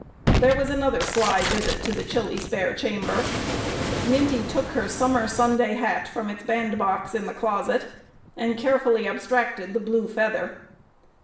There was another sly visit to the chilly spare chamber. Minty took the summer Sunday hat from its bandbox in the closet, and carefully abstracted the blue feather.